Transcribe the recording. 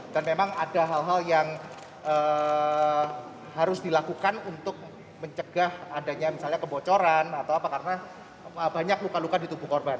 dan memang ada hal hal yang harus dilakukan untuk mencegah adanya misalnya kebocoran atau apa karena banyak luka luka di tubuh korban